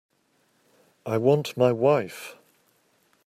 I want my wife.